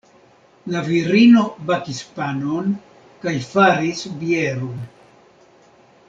La virino bakis panon kaj faris bieron.